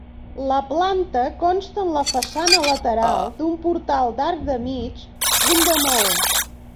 La planta consta en la façana lateral d'un portal d'arc de mig punt de maó.